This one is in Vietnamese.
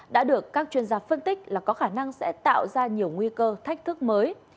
đã được các chuyên gia phân tích là có khả năng sẽ tạo ra nhiều nguy cơ thách thức mới